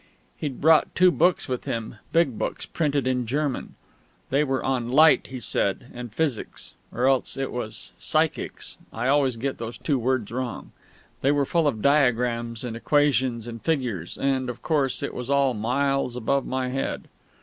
He'd brought two books with him, big books, printed in German. They were on Light, he said, and Physics (or else it was Psychics I always get those two words wrong). They were full of diagrams and equations and figures; and, of course, it was all miles above my head.